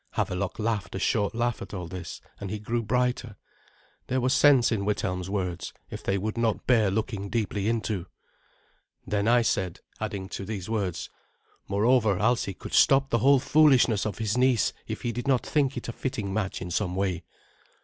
Havelok laughed a short laugh at all this, and he grew brighter. There was sense in Withelm's words, if they would not bear looking deeply into. Then I said, adding to these words, "Moreover, Alsi could stop the whole foolishness of his niece if he did not think it a fitting match in some way."